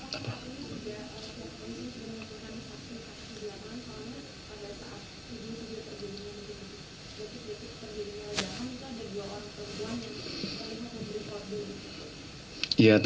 pak pak apa yang sudah